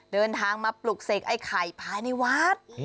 เดินทางมาปลุกเสกไอ้ไข่ภายในวัด